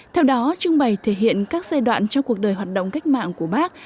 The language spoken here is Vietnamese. theo đó trưng bày thể hiện các giai đoạn trong cuộc đời hoạt động cách mạng của bác